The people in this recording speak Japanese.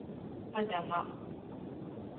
パジャマ